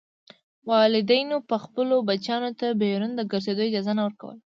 والدینو به خپلو بچیانو ته بیرون د ګرځېدو اجازه نه ورکوله.